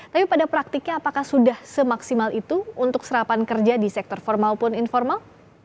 tapi pada praktiknya apakah sudah semaksimal itu untuk serapan kerja di sektor formal pun informal